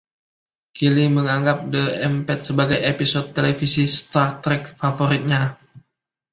Kelley menganggap "The Empath" sebagai episode televisi "Star Trek" favoritnya.